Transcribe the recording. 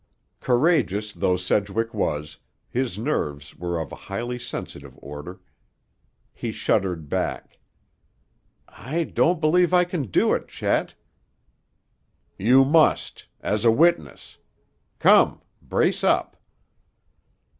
Courageous though Sedgwick was, his nerves were of a highly sensitive order. He shuddered back. "I don't believe I can do it, Chet." "You must. As a witness. Come! Brace up!"